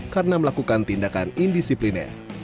karena melakukan tindakan indisipliner